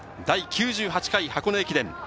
第９８回箱根駅伝。